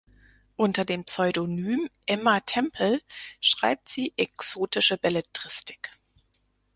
Unter dem Pseudonym Emma Temple schreibt sie exotische Belletristik.